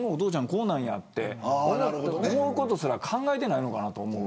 こうなんやって思うことすら考えてないのかなと思う。